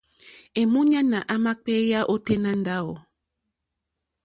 Èmúɲánà àmà kpééyá ôténá ndáwù.